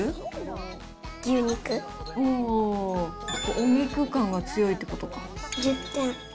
お肉感が強いってことか。